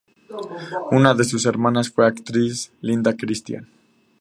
Una de su hermanas fue la actriz Linda Christian.